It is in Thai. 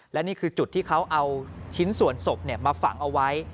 และนี่คือจุดที่เขาเอาชิ้นส่วนศพมาฝังเอาไว้